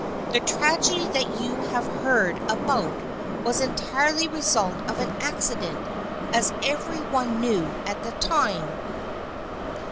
The tragedy that you have heard about was entirely the result of an accident, as every one knew at the time."